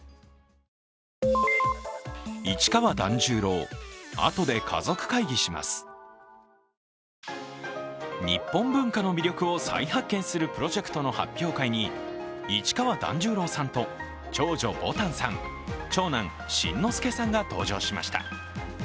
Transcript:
一方、Ｆｕｋａｓｅさんは日本文化の魅力を再発見するプロジェクトの発表会に市川團十郎さんと長女・ぼたんさん長男・新之助さんが登場しました。